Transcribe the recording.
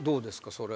それ。